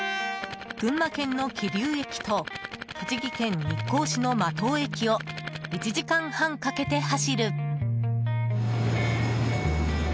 群馬県の桐生駅と栃木県日光市の間藤駅を１時間半かけて走る。